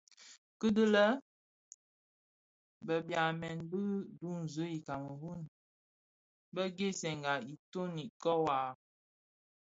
Kidhilè, bi byamèn bi duňzi i Kameru bë ghèsènga itoni ikōō waa.